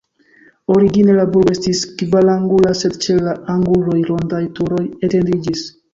Origine la burgo estis kvarangula, sed ĉe la anguloj rondaj turoj etendiĝis.